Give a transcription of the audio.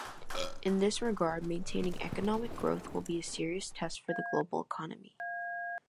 In this regard, maintaining economic growth will be a serious test for the global economy.